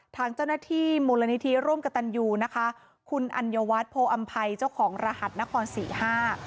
ทางเจ้าหน้าที่มูลนิธิร่วมกับตันยูนะคะคุณอัญวัฒน์โพออำภัยเจ้าของรหัสนครสี่ห้า